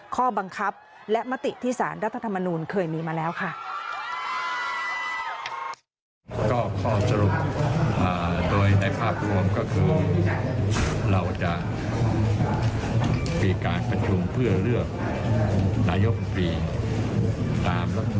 ข้อบังคับและมติที่สารรัฐธรรมนูลเคยมีมาแล้วค่ะ